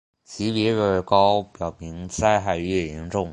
级别越高表明灾害越严重。